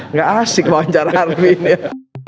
nggak asik mau mencara armin ya